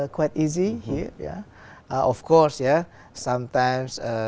khoảng hai năm